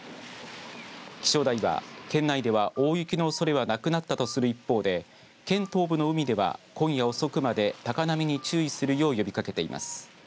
気象台は県内では大雪のおそれはなくなったとする一方で県東部の海では、今夜遅くまで高波に注意するよう呼びかけています。